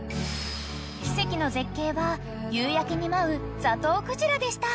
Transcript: ［奇跡の絶景は夕焼けに舞うザトウクジラでした］